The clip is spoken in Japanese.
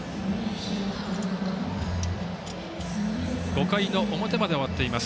５回の表まで終わっています。